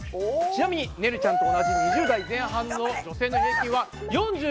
ちなみにねるちゃんと同じ２０代前半の女性の平均は４５ｃｍだそうです。